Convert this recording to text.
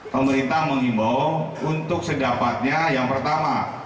pemerintah mengimbau untuk sedapatnya yang pertama